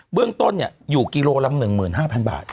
เบื้องต้นอยู่กิโลละ๑๕๐๐บาท